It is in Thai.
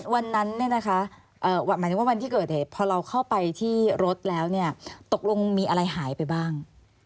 วันนั้นเนี่ยนะคะหมายถึงว่าวันที่เกิดเหตุพอเราเข้าไปที่รถแล้วเนี่ยตกลงมีอะไรหายไปบ้าง